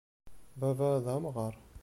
Baba ad amɣar.